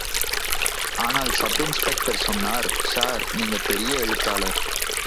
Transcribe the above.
ஆனால் sub inspector சொன்னார். Sir, நீங்கள் பெரிய எழுத்தாளர்.